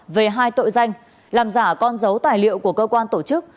về hai tội danh làm giả con dấu tài liệu của cơ quan tổ chức